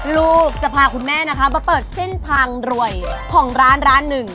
ลูกจะพาคุณแม่นะคะมาเปิดเส้นทางรวยของร้านร้านหนึ่ง